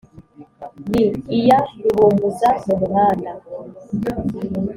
Nti: Iya rubumbuza mu muhanda,